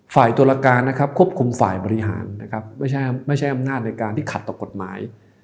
ตุรการนะครับควบคุมฝ่ายบริหารนะครับไม่ใช่อำนาจในการที่ขัดต่อกฎหมาย